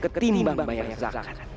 ketimbang banyak zakat